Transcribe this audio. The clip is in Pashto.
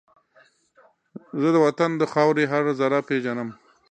زه د وطن د خاورې هر زره پېژنم